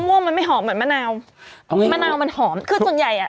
ม่วงมันไม่หอมเหมือนมะนาวมะนาวมันหอมคือส่วนใหญ่อ่ะ